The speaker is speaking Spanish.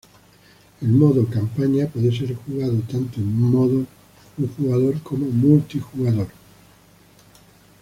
El modo "Campaña" puede ser jugado tanto en modo un jugador como multijugador.